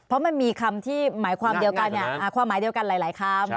เพราะมันมีคำที่ความหมายเดียวกันหลายคำ